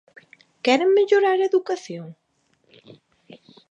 ¿Queren mellorar a educación?